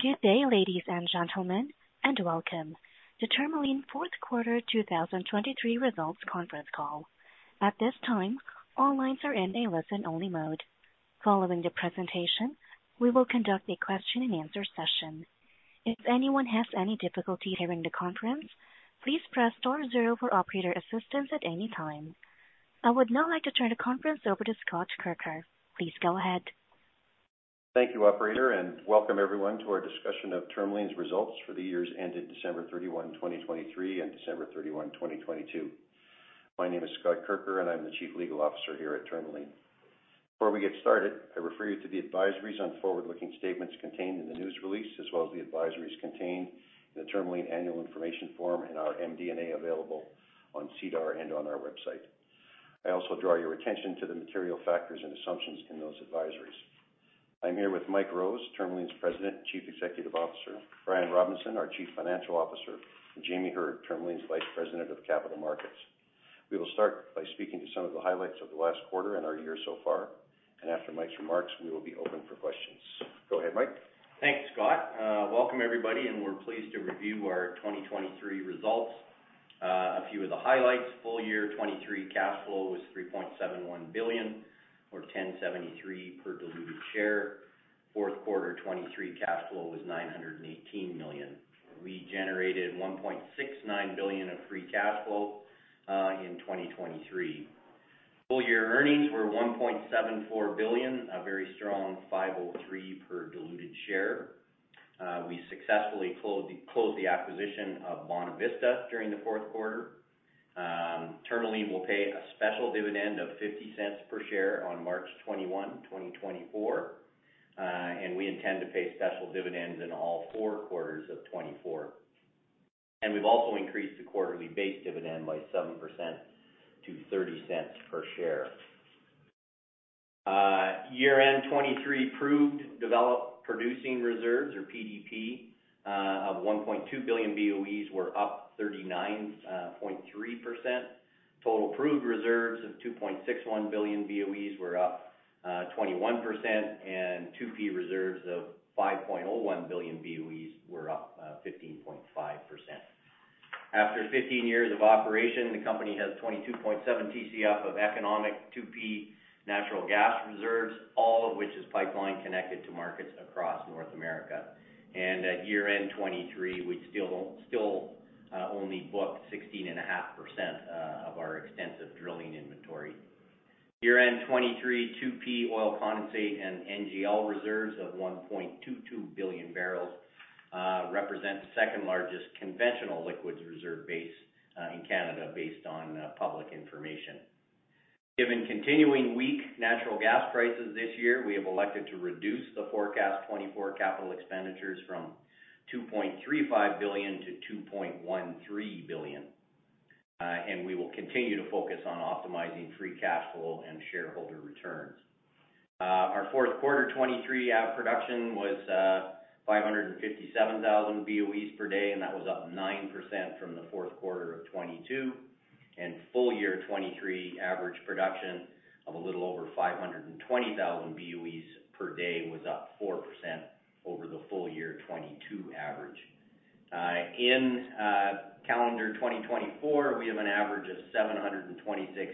Good day, ladies and gentlemen, and welcome to Tourmaline fourth quarter 2023 results conference call. At this time, all lines are in a listen-only mode. Following the presentation, we will conduct a question-and-answer session. If anyone has any difficulty hearing the conference, please press star zero for operator assistance at any time. I would now like to turn the conference over to Scott Kirker. Please go ahead. Thank you, operator, and welcome everyone to our discussion of Tourmaline's results for the years ended December 31, 2023 and December 31, 2022. My name is Scott Kirker, and I'm the Chief Legal Officer here at Tourmaline. Before we get started, I refer you to the advisories on forward-looking statements contained in the news release, as well as the advisories contained in the Tourmaline Annual Information Form in our MD&A available on SEDAR and on our website. I also draw your attention to the material factors and assumptions in those advisories. I'm here with Mike Rose, Tourmaline's President and Chief Executive Officer, Brian Robinson, our Chief Financial Officer, and Jamie Heard, Tourmaline's Vice President of Capital Markets. We will start by speaking to some of the highlights of the last quarter and our year so far, and after Mike's remarks, we will be open for questions. Go ahead, Mike. Thanks, Scott. Welcome everybody, and we're pleased to review our 2023 results. A few of the highlights: full year 2023 cash flow was 3.71 billion or 10.73 per diluted share. Fourth quarter 2023 cash flow was 918 million. We generated 1.69 billion of free cash flow in 2023. Full year earnings were 1.74 billion, a very strong 5.03 per diluted share. We successfully closed the acquisition of Bonavista during the fourth quarter. Tourmaline will pay a special dividend of 0.50 per share on March 21, 2024, and we intend to pay special dividends in all four quarters of 2024. We've also increased the quarterly base dividend by 7% to 0.30 per share. Year-end 2023 proved developed producing reserves, or PDP, of 1.2 billion BOEs were up 39.3%. Total proved reserves of 2.61 billion BOEs were up 21%, and 2P reserves of 5.01 billion BOEs were up 15.5%. After 15 years of operation, the company has 22.7 TCF of economic 2P natural gas reserves, all of which is pipeline connected to markets across North America. At year-end 2023, we still, still, only booked 16.5% of our extensive drilling inventory. Year-end 2023, 2P oil condensate and NGL reserves of 1.22 billion barrels represent the second largest conventional liquids reserve base in Canada, based on public information. Given continuing weak natural gas prices this year, we have elected to reduce the forecast 2024 capital expenditures from 2.35 billion-2.13 billion, and we will continue to focus on optimizing free cash flow and shareholder returns. Our fourth quarter 2023 production was 557,000 BOEs per day, and that was up 9% from the fourth quarter of 2022, and full year 2023 average production of a little over 520,000 BOEs per day was up 4% over the full year 2022 average. In calendar 2024, we have an average of 726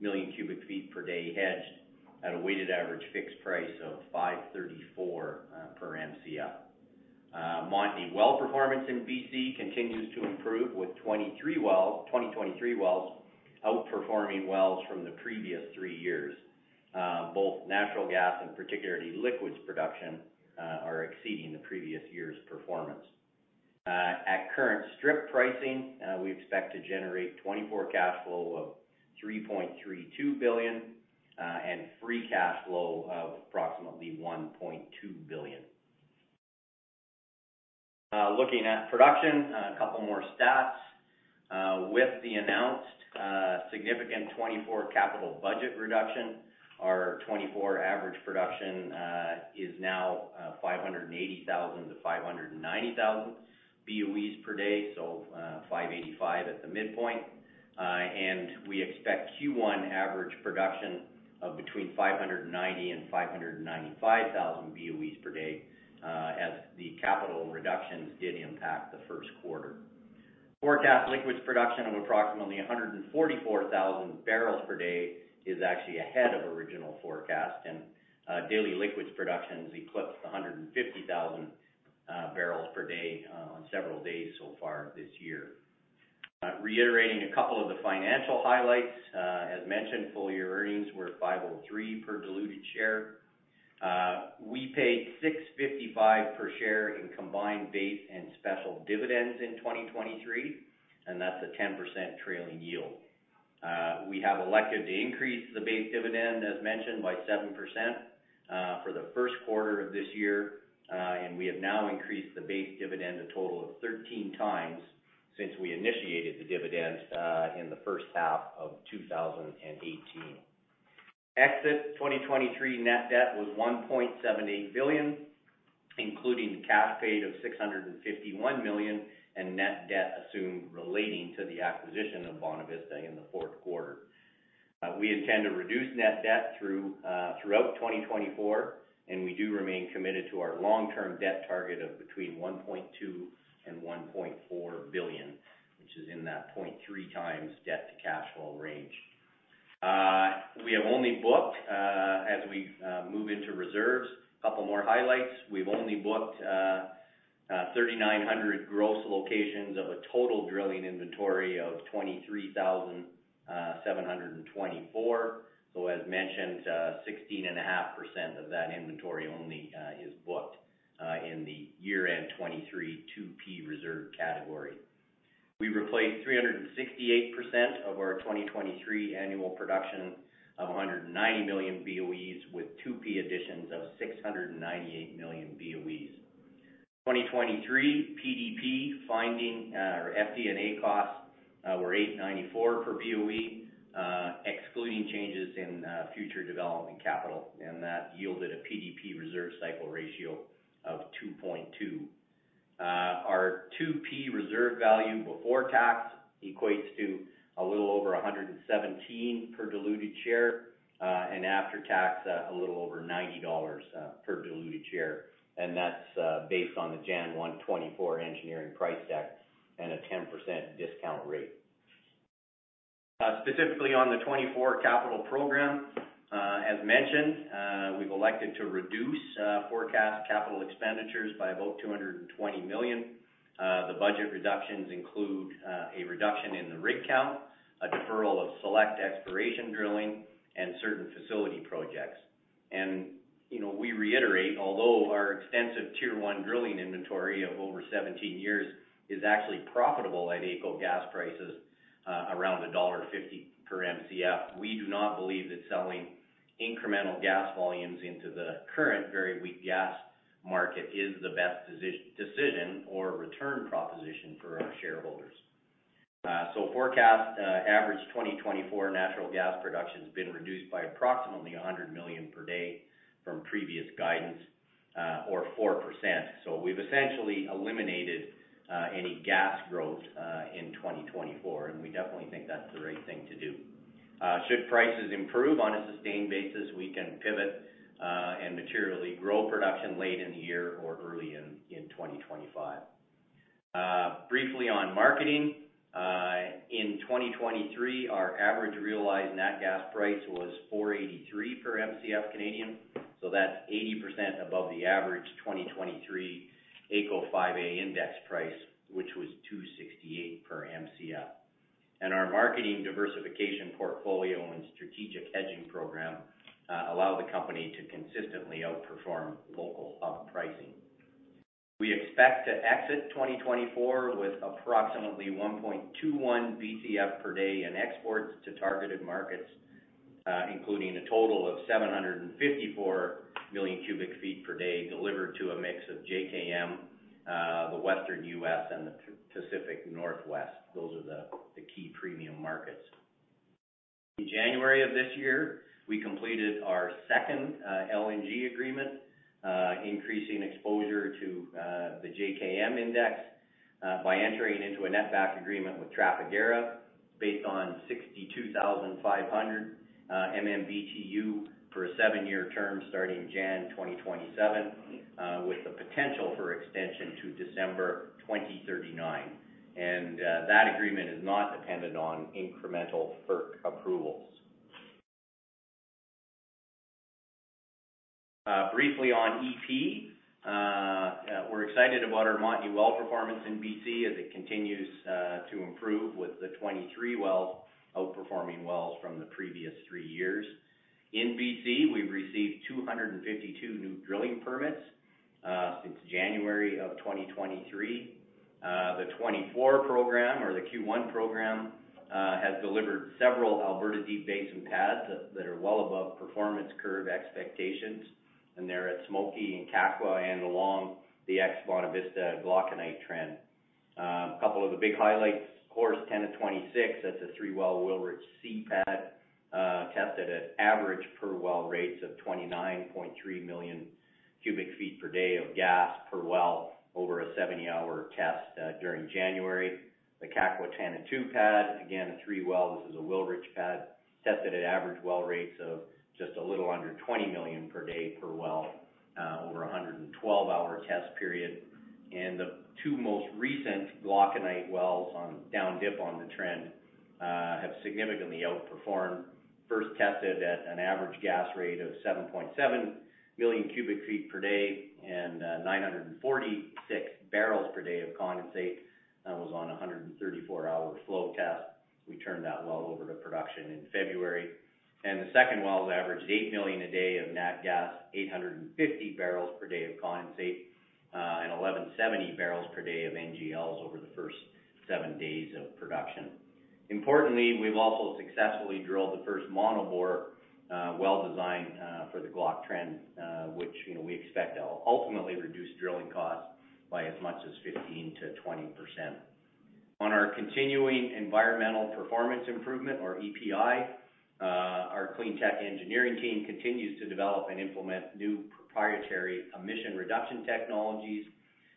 million cubic feet per day hedged at a weighted average fixed price of $5.34 per Mcf. Montney well performance in BC continues to improve, with 2023 wells outperforming wells from the previous three years. Both natural gas and particularly liquids production are exceeding the previous year's performance. At current strip pricing, we expect to generate 2024 cash flow of 3.32 billion, and free cash flow of approximately 1.2 billion. Looking at production, a couple more stats. With the announced significant 2024 capital budget reduction, our 2024 average production is now 580,000-590,000 BOEs per day, so 585 at the midpoint. And we expect Q1 average production of between 590,000 and 595,000 BOEs per day, as the capital reductions did impact the first quarter. Forecast liquids production of approximately 144,000 barrels per day is actually ahead of original forecast, and daily liquids production eclipsed 150,000 barrels per day on several days so far this year. Reiterating a couple of the financial highlights. As mentioned, full-year earnings were 503 per diluted share. We paid 6.55 per share in combined base and special dividends in 2023, and that's a 10% trailing yield. We have elected to increase the base dividend, as mentioned, by 7% for the first quarter of this year, and we have now increased the base dividend a total of 13 times since we initiated the dividend in the first half of 2018. At exit 2023 net debt was 1.78 billion, including cash paid of 651 million, and net debt assumed relating to the acquisition of Bonavista in the fourth quarter. We intend to reduce net debt throughout 2024, and we do remain committed to our long-term debt target of between 1.2 billion and 1.4 billion, which is in that 0.3x debt to cash flow range. We have only booked, as we move into reserves. A couple more highlights. We've only booked 3,900 gross locations of a total drilling inventory of 23,724. So as mentioned, 16.5% of that inventory only is booked in the year-end 2023 2P reserve category. We replaced 368% of our 2023 annual production of 190 million BOEs with 2P additions of 698 million BOEs. 2023 PDP finding or FD&A costs were 8.94 per BOE, excluding changes in future development capital, and that yielded a PDP reserve cycle ratio of 2.2. Our 2P reserve value before tax equates to a little over 117 per diluted share, and after tax, a little over 90 dollars per diluted share. That's based on the January 1, 2024 engineering price deck and a 10% discount rate. Specifically on the 2024 capital program, as mentioned, we've elected to reduce forecast capital expenditures by about 220 million. The budget reductions include a reduction in the rig count, a deferral of select exploration drilling and certain facility projects. You know, we reiterate, although our extensive tier one drilling inventory of over 17 years is actually profitable at AECO gas prices around dollar 1.50 per Mcf, we do not believe that selling incremental gas volumes into the current very weak gas market is the best decision or return proposition for our shareholders. So, forecast average 2024 natural gas production has been reduced by approximately 100 million per day from previous guidance, or 4%. So we've essentially eliminated any gas growth in 2024, and we definitely think that's the right thing to do. Should prices improve on a sustained basis, we can pivot and materially grow production late in the year or early in 2025. Briefly on marketing, in 2023, our average realized net gas price was 4.83 per Mcf Canadian. So that's 80% above the average 2023 AECO 5A index price, which was 2.68 per Mcf. And our marketing diversification portfolio and strategic hedging program allow the company to consistently outperform local hub pricing. We expect to exit 2024 with approximately 1.21 Bcf per day in exports to targeted markets, including a total of 754 million cubic feet per day, delivered to a mix of JKM, the Western US, and the Pacific Northwest. Those are the key premium markets. In January of this year, we completed our second LNG agreement, increasing exposure to the JKM Index, by entering into a netback agreement with Trafigura based on 62,500 MMBtu for a seven-year term starting January 2027, with the potential for extension to December 2039. That agreement is not dependent on incremental FERC approvals. Briefly on EP, we're excited about our Montney well performance in BC as it continues to improve with the 23 wells outperforming wells from the previous three years. In BC, we've received 252 new drilling permits since January 2023. The 2024 program or the Q1 program has delivered several Alberta Deep Basin pads that are well above performance curve expectations, and they're at Smoky and Kakwa and along the ex-Bonavista Glauconite trend. A couple of the big highlights, of course, 10-26, that's a 3-well Wilrich C pad, tested at average per well rates of 29.3 million cubic feet per day of gas per well over a 70-hour test, during January. The Kakwa 10-2 pad, again, a 3-well, this is a Wilrich pad, tested at average well rates of just a little under 20 million per day per well, over a 112-hour test period. And the two most recent Glauconite wells on down dip on the trend, have significantly outperformed. First tested at an average gas rate of 7.7 million cubic feet per day and, nine hundred and 946 barrels per day of condensate. That was on a 134-hour flow test. We turned that well over to production in February. The second well has averaged 8 million a day of nat gas, 850 barrels per day of condensate, and 1,170 barrels per day of NGLs over the first 7 days of production. Importantly, we've also successfully drilled the first monobore well design for the Glauconite trend, which, you know, we expect to ultimately reduce drilling costs by as much as 15%-20%. On our continuing environmental performance improvement or EPI, our clean tech engineering team continues to develop and implement new proprietary emission reduction technologies,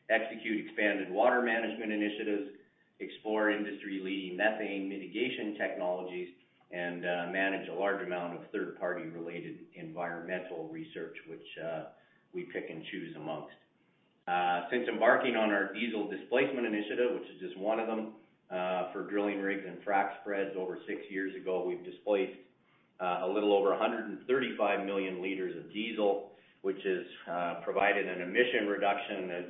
execute expanded water management initiatives, explore industry-leading methane mitigation technologies, and manage a large amount of third-party related environmental research, which we pick and choose amongst. Since embarking on our diesel displacement initiative, which is just one of them, for drilling rigs and frac spreads over 6 years ago, we've displaced a little over 135 million liters of diesel, which has provided an emission reduction of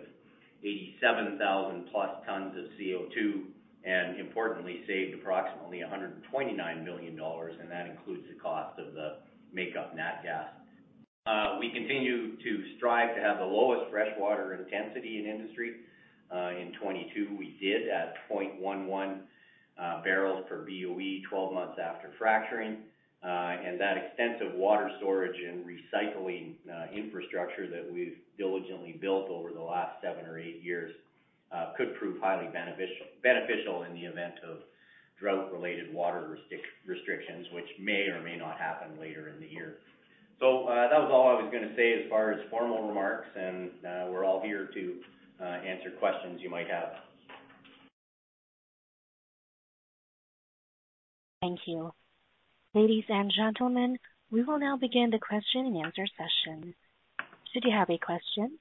87,000+ tons of CO2, and importantly, saved approximately 129 million dollars, and that includes the cost of the makeup nat gas. We continue to strive to have the lowest freshwater intensity in industry. In 2022, we did 0.11 barrels per BOE 12 months after fracturing. That extensive water storage and recycling infrastructure that we've diligently built over the last 7 or 8 years could prove highly beneficial in the event of drought-related water restrictions, which may or may not happen later in the year. That was all I was gonna say as far as formal remarks, and we're all here to answer questions you might have. Thank you. Ladies and gentlemen, we will now begin the question and answer session. Should you have a question,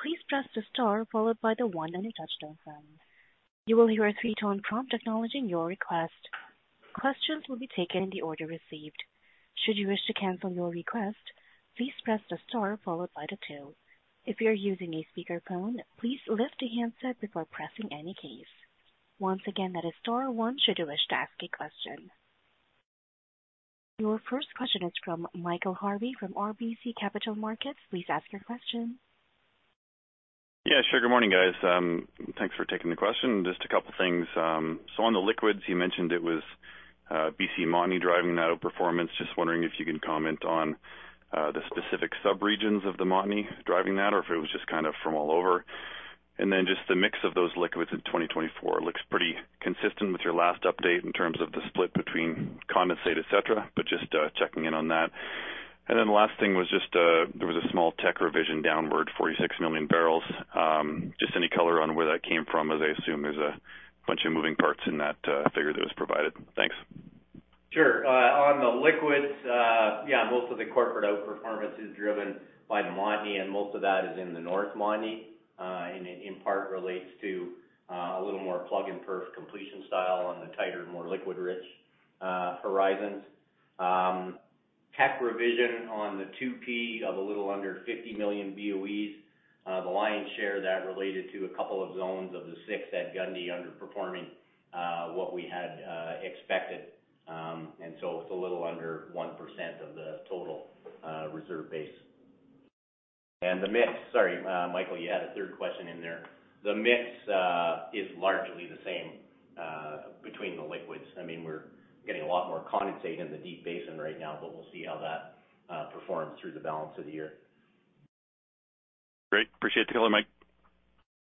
please press the star followed by the one on your touchtone phone. You will hear a three-tone prompt acknowledging your request. Questions will be taken in the order received. Should you wish to cancel your request, please press the star followed by the two. If you're using a speakerphone, please lift the handset before pressing any keys. Once again, that is star one should you wish to ask a question. Your first question is from Michael Harvey from RBC Capital Markets. Please ask your question. Yeah, sure. Good morning, guys. Thanks for taking the question. Just a couple things. So on the liquids, you mentioned it was BC Montney driving that outperformance. Just wondering if you can comment on the specific subregions of the Montney driving that, or if it was just kind of from all over. And then just the mix of those liquids in 2024 looks pretty consistent with your last update in terms of the split between condensate, et cetera, but just checking in on that. And then the last thing was just there was a small tech revision downward, 46 million barrels. Just any color on where that came from, as I assume there's a bunch of moving parts in that figure that was provided. Thanks. Sure. On the liquids, yeah, most of the corporate outperformance is driven by the Montney, and most of that is in the North Montney. And it, in part, relates to a little more plug-and-perf completion style on the tighter, more liquid-rich horizons. Tech revision on the 2P of a little under 50 million BOEs, the lion's share that related to a couple of zones of the six at Gundy underperforming what we had expected. And so it's a little under 1% of the total reserve base. And the mix... Sorry, Michael, you had a third question in there. The mix is largely the same between the liquids. I mean, we're getting a lot more condensate in the Deep Basin right now, but we'll see how that performs through the balance of the year. Great. Appreciate the color, Mike.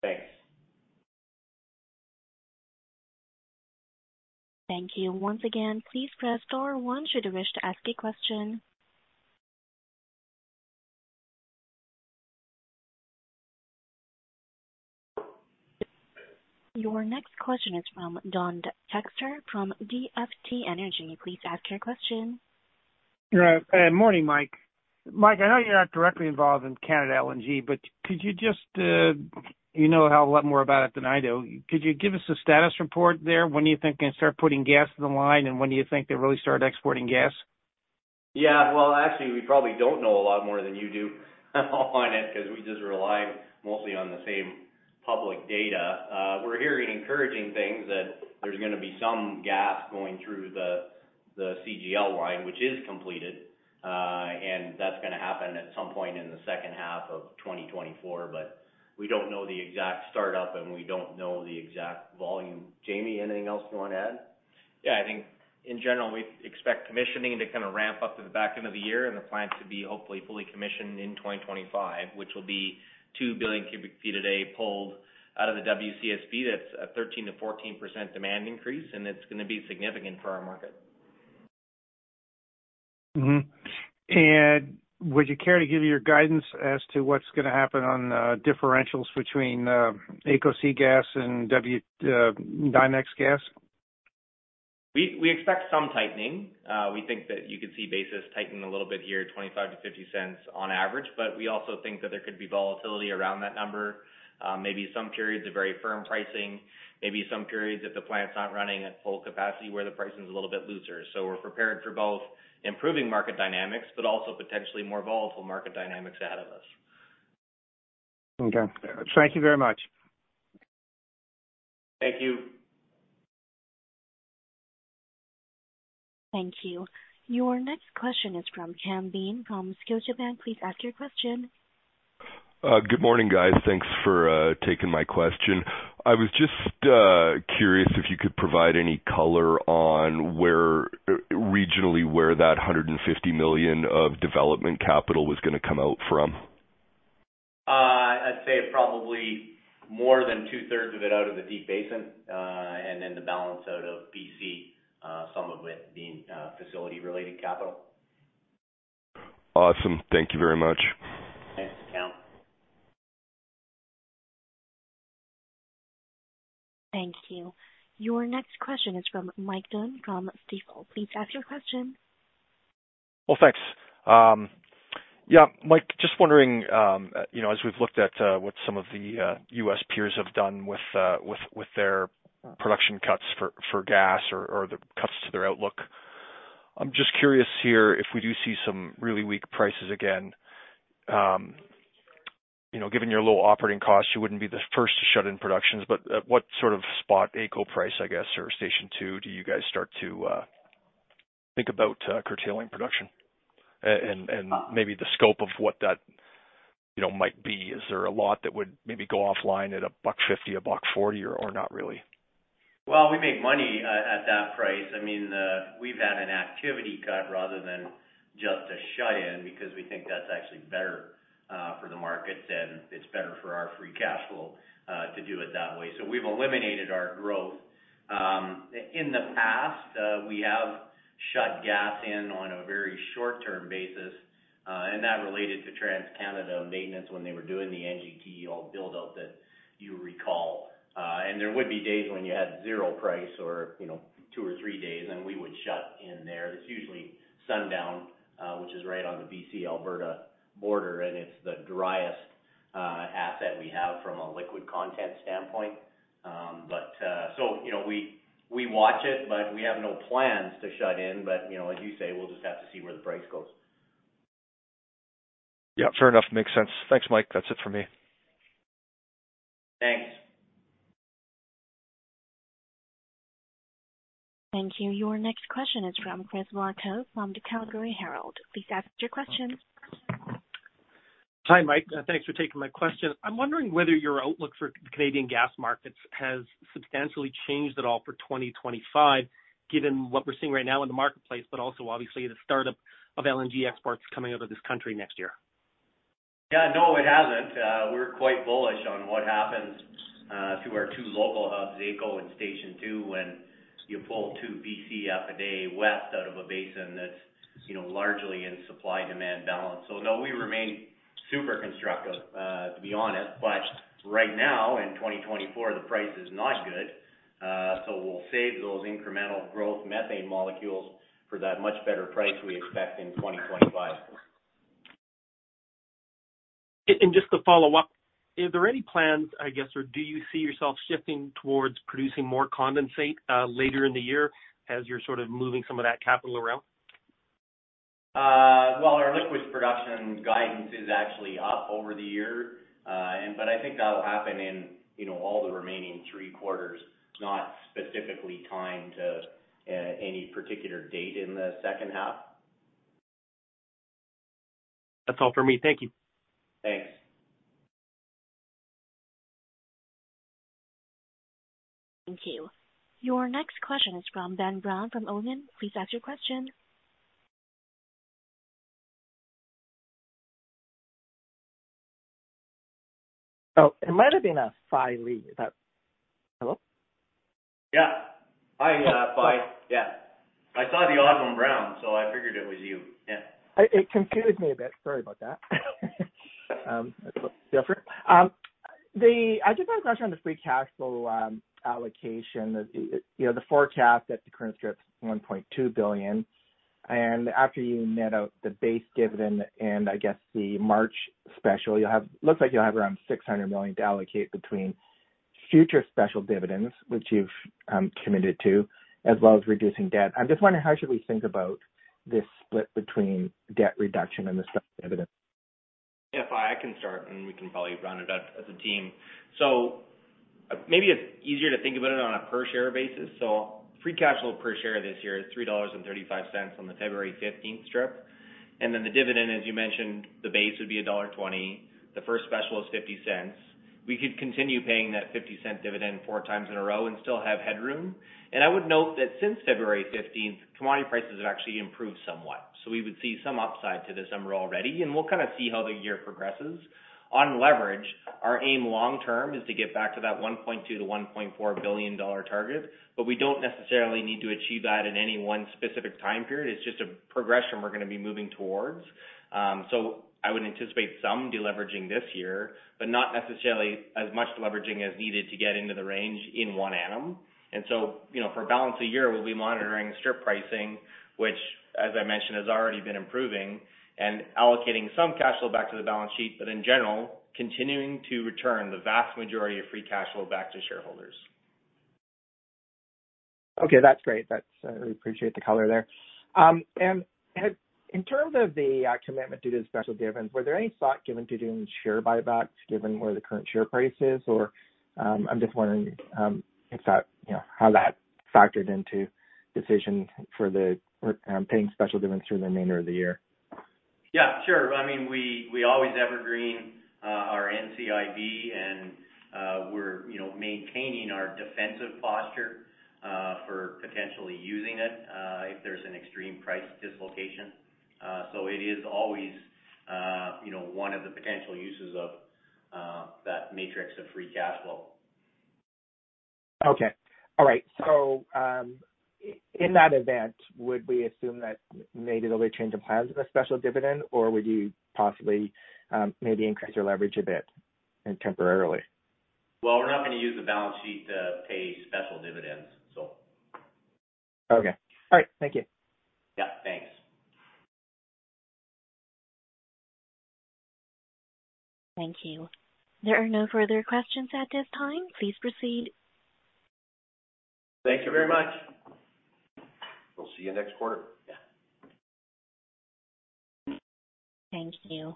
Thanks. Thank you. Once again, please press star one should you wish to ask a question. Your next question is from Dan Schachter from DFJ Energy. Please ask your question. Morning, Mike. Mike, I know you're not directly involved in LNG Canada, but could you just, you know a lot more about it than I do. Could you give us a status report there? When do you think they can start putting gas in the line, and when do you think they really start exporting gas? Yeah. Well, actually, we probably don't know a lot more than you do, on it, 'cause we just rely mostly on the same public data. We're hearing encouraging things that there's gonna be some gas going through the CGL line, which is completed, and that's gonna happen at some point in the second half of 2024. But we don't know the exact startup, and we don't know the exact volume. Jamie, anything else you wanna add? Yeah, I think in general, we expect commissioning to kind of ramp up to the back end of the year and the plant to be hopefully fully commissioned in 2025, which will be 2 billion cubic feet a day, pulled out of the WCSB. That's a 13%-14% demand increase, and it's gonna be significant for our market. Mm-hmm. And would you care to give your guidance as to what's gonna happen on differentials between AECO gas and NYMEX gas? We expect some tightening. We think that you could see basis tightening a little bit here, 25-50 cents on average, but we also think that there could be volatility around that number. Maybe some periods of very firm pricing, maybe some periods that the plant's not running at full capacity, where the pricing is a little bit looser. So we're prepared for both improving market dynamics, but also potentially more volatile market dynamics ahead of us. Okay. Thank you very much. Thank you. Thank you. Your next question is from Cameron Bean from Scotiabank. Please ask your question. Good morning, guys. Thanks for taking my question. I was just curious if you could provide any color on where, regionally where that 150 million of development capital was gonna come out from? I'd say probably more than two-thirds of it out of the Deep Basin, and then the balance out of BC, some of it being facility-related capital.... Awesome. Thank you very much. Thanks, Cam. Thank you. Your next question is from Mike Dunn from Stifel. Please ask your question. Well, thanks. Yeah, Mike, just wondering, you know, as we've looked at what some of the U.S. peers have done with their production cuts for gas or the cuts to their outlook. I'm just curious here, if we do see some really weak prices again, you know, given your low operating costs, you wouldn't be the first to shut in productions, but what sort of spot AECO price, I guess, or Station 2, do you guys start to think about curtailing production? And maybe the scope of what that, you know, might be. Is there a lot that would maybe go offline at 1.50, 1.40, or not really? Well, we make money at that price. I mean, we've had an activity cut rather than just a shut-in, because we think that's actually better for the markets, and it's better for our free cash flow to do it that way. So we've eliminated our growth. In the past, we have shut gas in on a very short-term basis, and that related to TransCanada maintenance when they were doing the NGTL buildout that you recall. And there would be days when you had zero price or, you know, two or three days, and we would shut in there. It's usually Sundown, which is right on the BC-Alberta border, and it's the driest asset we have from a liquid content standpoint. But, so you know, we watch it, but we have no plans to shut in. But, you know, as you say, we'll just have to see where the price goes. Yeah, fair enough. Makes sense. Thanks, Mike. That's it for me. Thanks. Thank you. Your next question is from Chris Varcoe from the Calgary Herald. Please ask your question. Hi, Mike. Thanks for taking my question. I'm wondering whether your outlook for Canadian gas markets has substantially changed at all for 2025, given what we're seeing right now in the marketplace, but also obviously the startup of LNG exports coming out of this country next year? Yeah. No, it hasn't. We're quite bullish on what happens to our two local hubs, AECO and Station 2, when you pull 2 Bcf/d west out of a basin that's, you know, largely in supply-demand balance. So no, we remain super constructive, to be honest. But right now, in 2024, the price is not good. So we'll save those incremental growth methane molecules for that much better price we expect in 2025. Just to follow up, are there any plans, I guess, or do you see yourself shifting towards producing more condensate later in the year as you're sort of moving some of that capital around? Well, our liquid production guidance is actually up over the year. But I think that'll happen in, you know, all the remaining three quarters, not specifically timed to any particular date in the second half. That's all for me. Thank you. Thanks. Thank you. Your next question is from Fai Lee from Odlum Brown. Please ask your question. Oh, it might have been, Fai Lee. Is that... Hello? Yeah. Hi, Fai. Yeah, I saw the Odlum Brown, so I figured it was you. Yeah. It confused me a bit. Sorry about that. I just have a question on the free cash flow allocation. You know, the forecast at the current strip, 1.2 billion, and after you net out the base dividend and I guess the March special, you'll have—looks like you'll have around 600 million to allocate between future special dividends, which you've committed to, as well as reducing debt. I'm just wondering, how should we think about this split between debt reduction and the special dividend? Yeah, Fai, I can start, and we can probably round it up as a team. So maybe it's easier to think about it on a per share basis. So free cash flow per share this year is 3.35 dollars on the February fifteenth strip. And then the dividend, as you mentioned, the base would be dollar 1.20. The first special is 0.50. We could continue paying that 0.50 dividend four times in a row and still have headroom. And I would note that since February fifteenth, commodity prices have actually improved somewhat, so we would see some upside to this number already, and we'll kind of see how the year progresses. On leverage, our aim long term is to get back to that 1.2 billion-1.4 billion dollar target, but we don't necessarily need to achieve that in any one specific time period. It's just a progression we're gonna be moving towards. So I would anticipate some deleveraging this year, but not necessarily as much leveraging as needed to get into the range in one annum. And so, you know, for balance of the year, we'll be monitoring strip pricing, which, as I mentioned, has already been improving and allocating some cash flow back to the balance sheet, but in general, continuing to return the vast majority of free cash flow back to shareholders. Okay, that's great. That's, I appreciate the color there. And in terms of the commitment to the special dividend, were there any thought given to doing share buybacks, given where the current share price is? Or, I'm just wondering, if that, you know, how that factored into decision for the paying special dividends through the remainder of the year. Yeah, sure. I mean, we always evergreen our NCIB and we're, you know, maintaining our defensive posture for potentially using it if there's an extreme price dislocation. So it is always, you know, one of the potential uses of that matrix of free cash flow. Okay. All right. So, in that event, would we assume that maybe there'll be a change of plans with a special dividend, or would you possibly, maybe increase your leverage a bit and temporarily? Well, we're not gonna use the balance sheet to pay special dividends, so. Okay. All right, thank you. Yeah, thanks. Thank you. There are no further questions at this time. Please proceed. Thank you very much. We'll see you next quarter. Yeah. Thank you.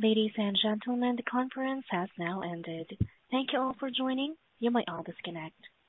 Ladies and gentlemen, the conference has now ended. Thank you all for joining. You may all disconnect.